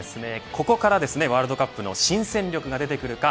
ここからワールドカップの新戦力が出てくるか